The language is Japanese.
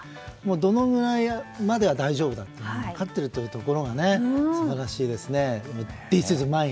どのぐらいまでは大丈夫というの分かっているというのが素晴らしいですね。